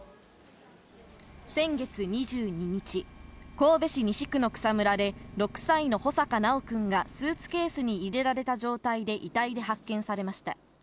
先月２２日、神戸市西区の草むらで、６歳の穂坂修くんがスーツケースに入れられた状態で遺体で発見されました。